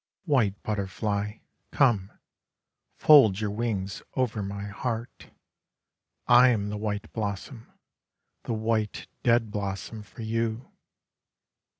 White butterfly, come, fold your wings over my heart: I am the white blossom, the white dead blossom for you.